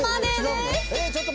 ちょっと。